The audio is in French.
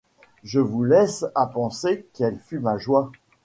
Je vous laisse à penser quelle fut ma joie.